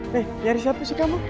nih nyari siapa sih kamu